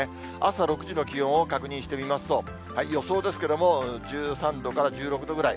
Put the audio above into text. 朝６時の気温を確認してみますと、予想ですけれども、１３度から１６度ぐらい。